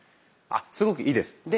すごくいいです。